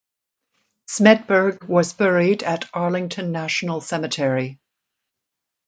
Smedberg was buried at Arlington National Cemetery.